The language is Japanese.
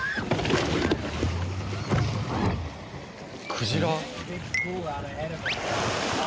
クジラ？